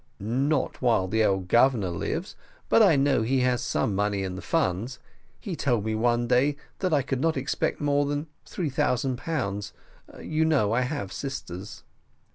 "Not while the old governor lives, but I know he has some money in the funds. He told me one day that I could not expect more than three thousand pounds. You know I have sisters."